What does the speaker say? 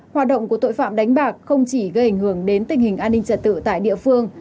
hoạt động của tội phạm đánh bạc không chỉ gây ảnh hưởng đến tình hình an ninh trật tự tại địa phương